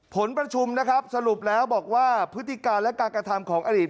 ผลประชุมนะครับสรุปแล้วบอกว่าพฤติการและการกระทำของอดีต